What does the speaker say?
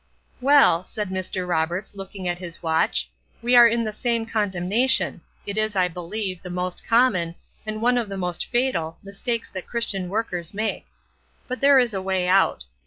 "Well," said Mr. Roberts, looking at his watch, "we are in the same condemnation; it is, I believe, the most common, and one of the most fatal, mistakes that Christian workers make. But there is a way out.